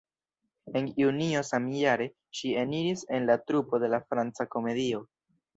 En junio samjare, ŝi eniris en la trupo de la Franca Komedio.